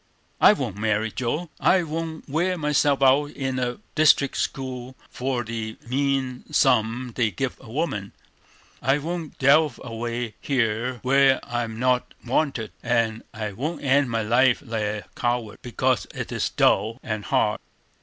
"I won't marry Joe; I won't wear myself out in a district school for the mean sum they give a woman; I won't delve away here where I'm not wanted; and I won't end my life like a coward, because it is dull and hard.